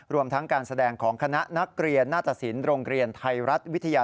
รวมทั้งการแสดงของคณะนักเรียนหน้าตสินโรงเรียนไทยรัฐวิทยา